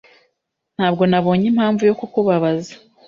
Ntabwo nabonye impamvu yo kukubabaza